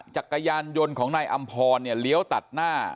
จักรยานยนต์ของนายอำพรเนี่ยเลี้ยวตัดหน้า